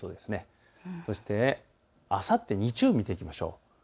あさって日曜日を見ていきましょう。